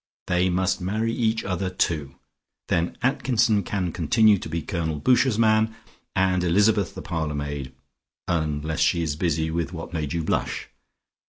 They must marry each other too. Then Atkinson can continue to be Colonel Boucher's man and Elizabeth the parlour maid, unless she is busy with what made you blush.